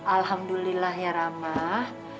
alhamdulillah ya ramah